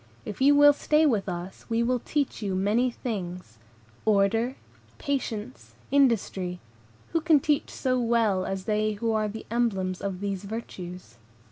If you will stay with us, we will teach you many things. Order, patience, industry, who can teach so well as they who are the emblems of these virtues?